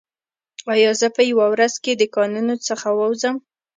ایا زه به یوه ورځ له دې کانونو څخه ووځم